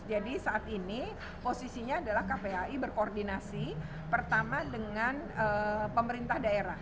jadi saat ini posisinya adalah kpai berkoordinasi pertama dengan pemerintah daerah